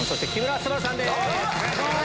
お願いします！